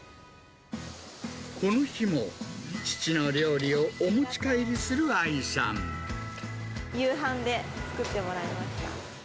この日も、夕飯で作ってもらいました。